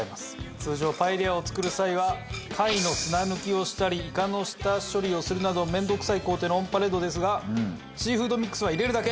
通常パエリアを作る際は貝の砂抜きをしたりイカの下処理をするなど面倒くさい工程のオンパレードですがシーフードミックスは入れるだけ。